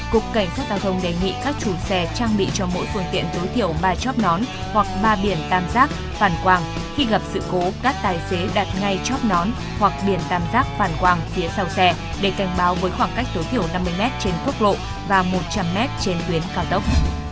cục cảnh sát giao thông đề nghị các chủ xe trang bị cho mỗi phương tiện tối thiểu ba chóp nón hoặc ba biển tam giác phản quang khi gặp sự cố các tài xế đặt ngay chóp nón hoặc biển tam giác phản quang phía sau xe để cảnh báo với khoảng cách tối thiểu năm mươi m trên quốc lộ và một trăm linh m trên tuyến cao tốc